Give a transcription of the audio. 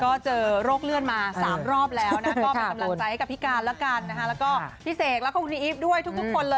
ก็เจอโรคเลื่อนมา๓รอบแล้วนะ